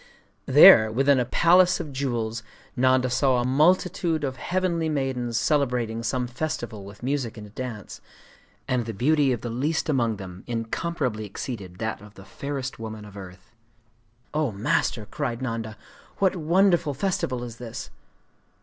There, within a palace of jewels, Nanda saw a multitude of heavenly maidens celebrating some festival with music and dance; and the beauty of the least among them incomparably exceeded that of the fairest woman of earth. 'O Master,' cried Nanda, 'what wonderful festival is this?